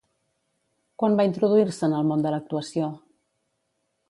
Quan va introduir-se en el món de l'actuació?